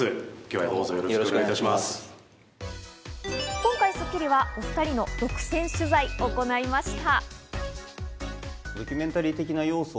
今回『スッキリ』はお２人の独占取材を行いました。